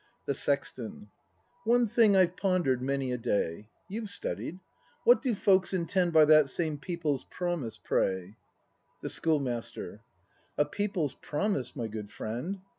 The Sexton. One thing I've ponder'd many a day; You've studied, — what do folks intend By that same "People's Promise," pray? The Schoolmaster. A People's Promise, my good friend